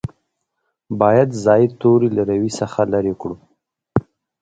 باید زاید توري له روي څخه لرې کړو.